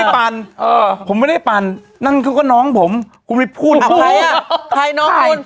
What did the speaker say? ผมไม่ได้ปั่นนั่นคือก็น้องผมผมไม่พูดใครน้องคุณ